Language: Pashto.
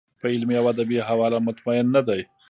په علمي او ادبي حواله مطمین نه دی.